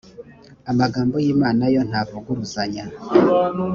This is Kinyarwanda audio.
amagambo y imana yo ntavuguruzanya